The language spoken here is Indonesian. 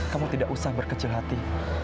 kamu tidak usah berkecil hati